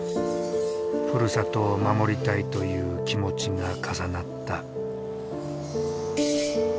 ふるさとを守りたいという気持ちが重なった。